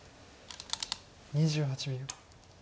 ２８秒。